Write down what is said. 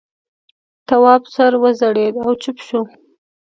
تواب سر وځړېد او چوپ شو.